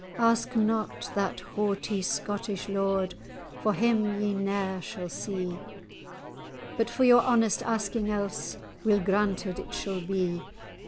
"Ask not that haughty Scottish lord, For him ye ne'er shall see. But for your honest asking else, Weel granted it shall be."